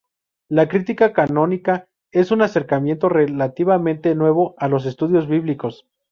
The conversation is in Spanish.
La crítica canónica es un acercamiento relativamente nuevo a los estudios bíblicos.